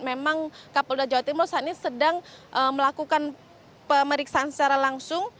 memang kapolda jawa timur saat ini sedang melakukan pemeriksaan secara langsung